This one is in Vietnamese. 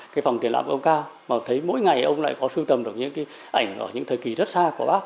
cái phòng tiền lạm của ông cao mà thấy mỗi ngày ông lại có sưu tầm được những cái ảnh ở những thời kỳ rất xa của bác